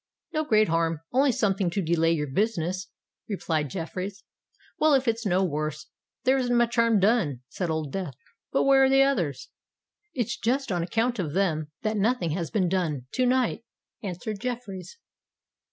"No great harm—only something to delay your business," replied Jeffreys. "Well—if it's no worse, there isn't much harm done," said Old Death. "But where are the others?" "It's just on account of them that nothing has been done to night," answered Jeffreys.